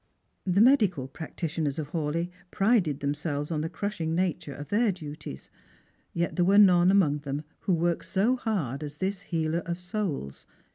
The medical practitioners of Hawleigh prided themselves oo 26 Stranc/crs and Pilgrims. the crushing nature of their duties, yet there were none among them who worked so hard as this healer of souls.